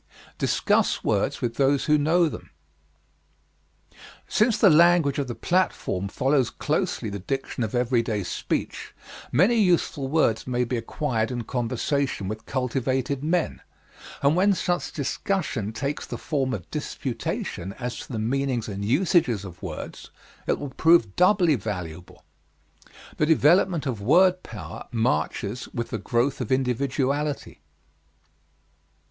Discuss Words With Those Who Know Them Since the language of the platform follows closely the diction of everyday speech, many useful words may be acquired in conversation with cultivated men, and when such discussion takes the form of disputation as to the meanings and usages of words, it will prove doubly valuable. The development of word power marches with the growth of individuality.